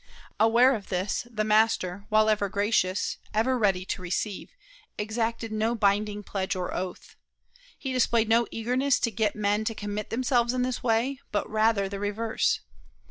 Aware of this, the Master, while ever gracious, ever ready to receive, exacted no binding pledge or oath. He displayed no eagerness to get men to commit themselves in this way, but rather the reverse.